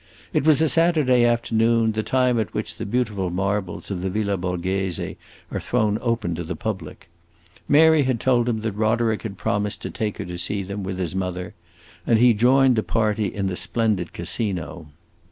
It was a Saturday afternoon, the time at which the beautiful marbles of the Villa Borghese are thrown open to the public. Mary had told him that Roderick had promised to take her to see them, with his mother, and he joined the party in the splendid Casino.